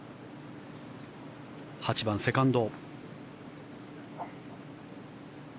８番、セカンド。